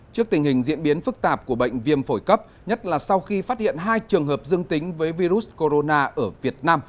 trước tình hình diễn biến phức tạp của bệnh viêm phổi cấp nhất là sau khi phát hiện hai trường hợp dương tính với virus corona ở việt nam